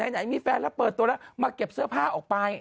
ไหนมีแฟนแล้วเปิดตัวแล้วมาเก็บเสื้อผ้าออกไป